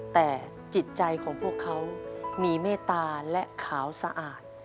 แต่จิตใจของพวกเขามีเมตตาและขาวสะอาด